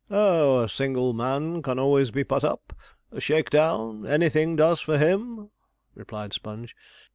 'Oh, a single man can always be put up; shake down anything does for him,' replied Sponge.